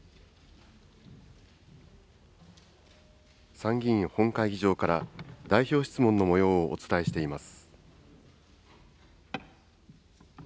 参議院本会議場から、代表質問のもようをお伝えしています。